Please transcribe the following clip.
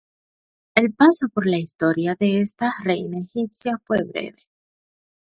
El paso por la historia de esta reina egipcia fue breve.